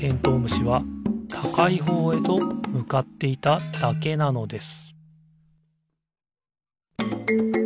虫はたかいほうへとむかっていただけなのです